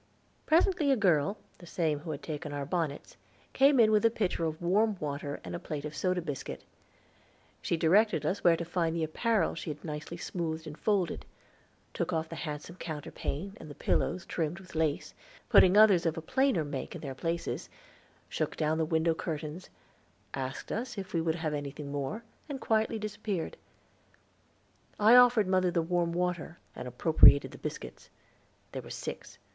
Presently a girl, the same who had taken our bonnets, came in with a pitcher of warm water and a plate of soda biscuit. She directed us where to find the apparel she had nicely smoothed and folded; took off the handsome counterpane, and the pillows trimmed with lace, putting others of a plainer make in their places; shook down the window curtains; asked us if we would have anything more, and quietly disappeared. I offered mother the warm water, and appropriated the biscuits. There were six.